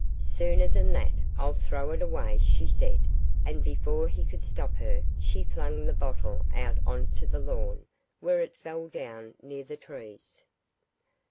'Sooner than that, I'll throw it away,' she said, and before he could stop her, she flung the bottle out on to the lawn, where it fell down near the trees.